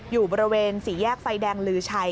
อยู่บริเวณสี่แยกไฟแดงลือชัย